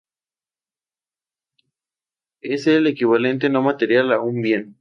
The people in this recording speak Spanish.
Es el equivalente no material de un bien.